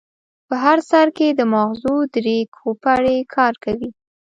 په هر سر کې د ماغزو درې کوپړۍ کار کوي.